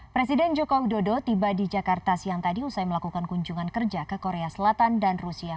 presiden jokowi dodo tiba di jakarta siang tadi usai melakukan kunjungan kerja ke korea selatan dan rusia